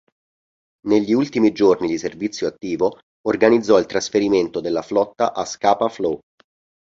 Negli ultimi giorni di servizio attivo organizzò il trasferimento della flotta a Scapa Flow.